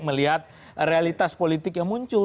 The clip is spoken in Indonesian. melihat realitas politik yang muncul